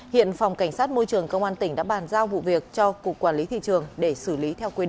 hiện phòng cảnh sát môi trường công an tỉnh đã bàn giao vụ việc cho cục quản lý thị trường để xử lý theo quy định